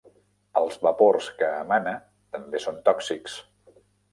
Els vapors que emana també són tòxics.